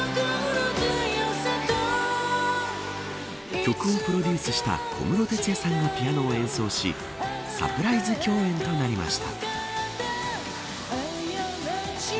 曲をプロデュースした小室哲哉さんがピアノを演奏しサプライズ共演となりました。